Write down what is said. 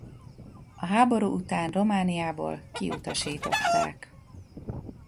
A háború után Romániából kiutasították.